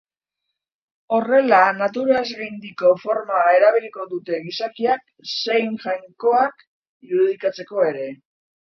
Horrela naturazgaindiko forma erabiliko dute gizakiak zein jainkoak irudikatzeko ere.